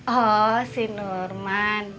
oh si nurman